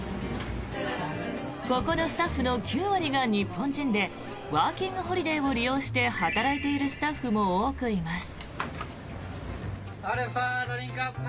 ここのスタッフの９割が日本人でワーキングホリデーを利用して働いているスタッフも多くいます。